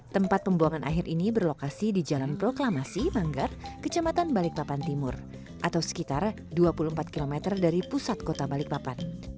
tempat pembuangan akhir ini berlokasi di jalan proklamasi manggar kecamatan balikpapan timur atau sekitar dua puluh empat km dari pusat kota balikpapan